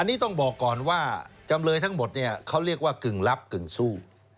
อันนี้ต้องบอกก่อนว่าจำเลยทั้งหมดเนี่ยเขาเรียกว่ากึ่งลับกึ่งสู้